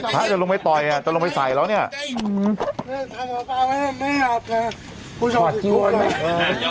ห้ะจะลงไปต่อยอ่ะจะลงไปใส่แล้วเนี้ยอืมไม่หลับไม่หลับไม่หลับ